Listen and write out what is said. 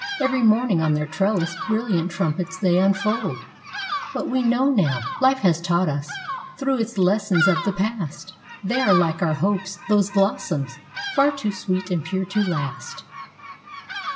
Every morning on their trellis brilliant trumpets they unfold; But we know now—Life has taught us, through its lessons of the past— They are like our hopes, those blossoms— far too sweet and pure to last.